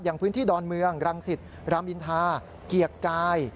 อย่างพื้นที่ดอนเมืองรังสิตรามอินทาเกียรติกาย